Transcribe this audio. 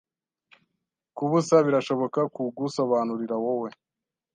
kubusa birashoboka kugusobanurira wowe